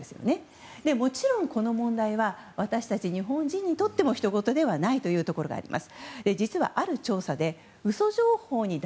もちろん、この問題は私たち日本人にとっても他人ごとではないところがあります。